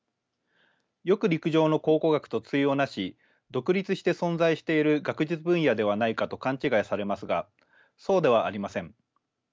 よく陸上の考古学と対をなし独立して存在している学術分野ではないかと勘違いされますがそうではありません。